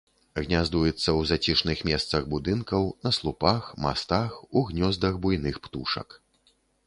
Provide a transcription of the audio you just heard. Гняздуецца ў зацішных месцах будынкаў, на слупах, мастах, у гнёздах буйных птушак.